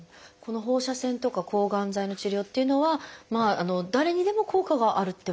放射線とか抗がん剤の治療っていうのは誰にでも効果があるってものなんですか？